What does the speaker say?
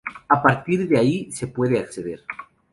A partir de ahí se puede acceder